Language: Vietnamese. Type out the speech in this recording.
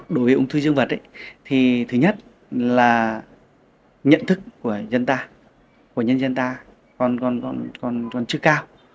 đối với ung thư dân vật thì thứ nhất là nhận thức của nhân dân ta còn chưa cao